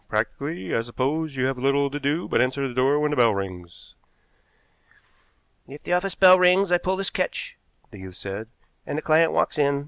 Practically, I suppose, you have little to do but answer the door when the bell rings." "If the office bell rings I pull this catch," the youth said, "and the client walks in.